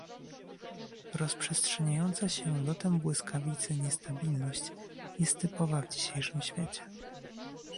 Rozprzestrzeniająca się lotem błyskawicy niestabilność jest typowa w dzisiejszym świecie